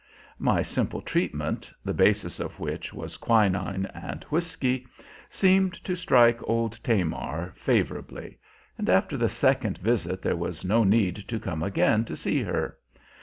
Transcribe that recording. My simple treatment, the basis of which was quinine and whiskey, seemed to strike old Tamar favorably; and after the second visit there was no need to come again to see her.